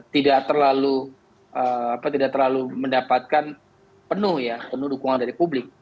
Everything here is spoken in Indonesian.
tidak terlalu apa tidak terlalu mendapatkan penuh ya penuh dukungan dari publik